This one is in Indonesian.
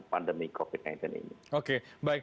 pandemi covid sembilan belas ini